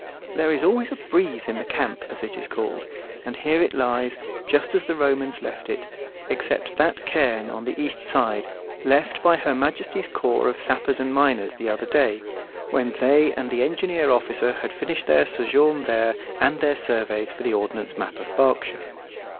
There is always a breeze in the "camp," as it is called; and here it lies, just as the Romans left it, except that cairn on the east side, left by her Majesty's corps of sappers and miners the other day, when they and the engineer officer had finished their sojourn there, and their surveys for the ordnance map of Berkshire.